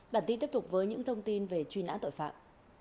bản tin tiếp tục với những thông tin về truy nã tội phạm